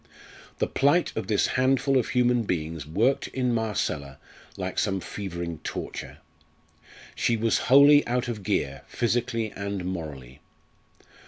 The plight of this handful of human beings worked in Marcella like some fevering torture. She was wholly out of gear physically and morally.